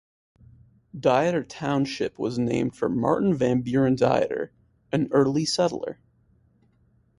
Dieter Township was named for Martin Van Buren Dieter, an early settler.